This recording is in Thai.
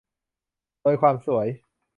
โดยความสวย